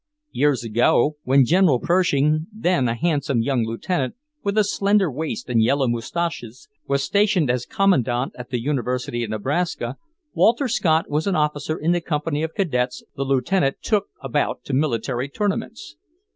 Years ago, when General Pershing, then a handsome young Lieutenant with a slender waist and yellow moustaches, was stationed as Commandant at the University of Nebraska, Walter Scott was an officer in a company of cadets the Lieutenant took about to military tournaments.